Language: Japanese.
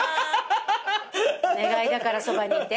お願いだからそばにいて。